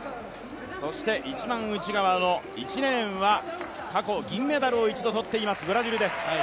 そして一番内側の１レーンは過去銀メダルを一度取っています、ブラジルです。